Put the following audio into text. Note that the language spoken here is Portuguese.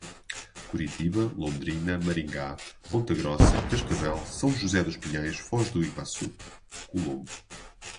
Curitiba, Londrina, Maringá, Ponta Grossa, Cascavel, São José dos Pinhais, Foz do Iguaçu, Colombo